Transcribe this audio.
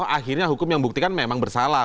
akhirnya hukum yang buktikan memang bersalah